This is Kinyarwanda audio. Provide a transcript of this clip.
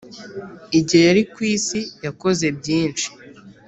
Igihe yari ku isi yakoze byinshi